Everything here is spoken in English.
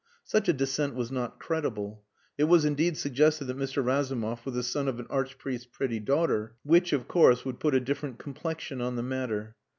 Such a descent was not credible. It was, indeed, suggested that Mr. Razumov was the son of an Archpriest's pretty daughter which, of course, would put a different complexion on the matter.